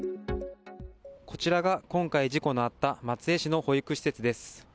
こちらが今回事故のあった松江市の保育施設です。